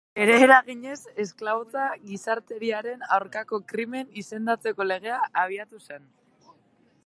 Bere eraginez esklabotza gizateriaren aurkako krimen izendatzeko legea abiatu zen.